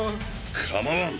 構わん！